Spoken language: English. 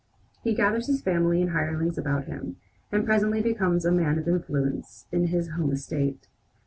He gathers his family and hirelings about him, and presently becomes a man of influence in his home state.